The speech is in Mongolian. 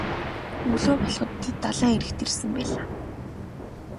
Өглөө болоход тэд далайн эрэгт ирсэн байлаа.